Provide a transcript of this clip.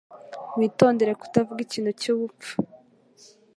Witondere kutavuga ikintu cyubupfu.